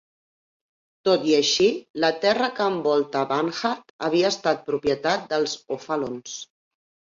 Tot i així, la terra que envolta Barnhart havia estat propietat dels O'Fallons.